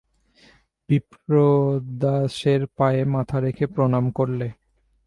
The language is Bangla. বিপ্রদাসের পায়ে মাথা রেখে প্রণাম করলে।